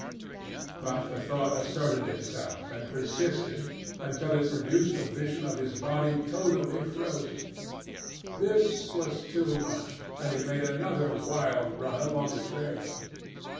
But the thought asserted itself, and persisted, until it produced a vision of his body totally frozen. This was too much, and he made another wild run along the trail.